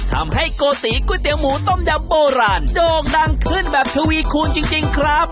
ทำให้โกติก๋วยเตี๋ยหมูต้มยำโบราณโด่งดังขึ้นแบบทวีคูณจริงครับ